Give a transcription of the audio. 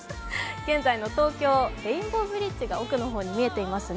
現在の東京、レインボーブリッジが奥の方に見えてますね。